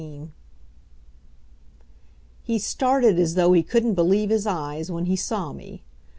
XIV. He started as though he couldn't believe his eyes when he saw me.